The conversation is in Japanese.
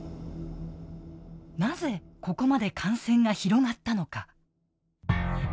なぜ、ここまで感染が広がったのか。